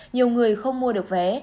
nhiều người không mua được vé